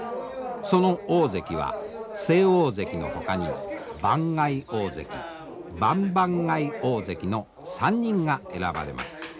その大関は正大関のほかに番外大関番々外大関の３人が選ばれます。